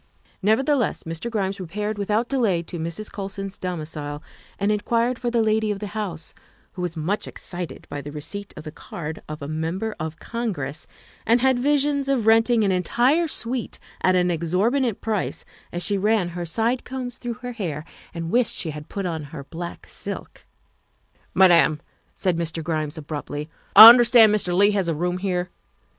Nevertheless, Mr. Grimes repaired without delay to Mrs. Colson's domicile and inquired for the lady of the house, who was much excited by the receipt of the card of a Member of Congress, and had visions of renting an entire suite at an exorbitant price as she ran her side combs through her hair and wished she had put on her black silk. '' Madam, '' said Mr. Grimes abruptly, '' I understand Mr. Leigh has a room here.